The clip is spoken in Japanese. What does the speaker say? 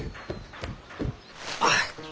あっ！